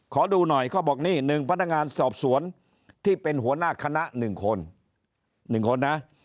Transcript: ขอดูหน่อยเขาบอกนี่๑พนักงานสอบสวนที่เป็นหัวหน้าคณะ๑คน๑คนนะ